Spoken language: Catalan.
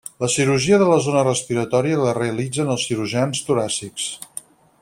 La cirurgia de la zona respiratòria la realitzen els cirurgians toràcics.